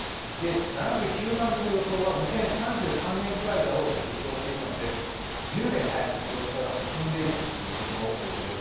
７９万人の予想は２０３３年くらいと予想していたので１０年早く少子化が進んでいるということのようです。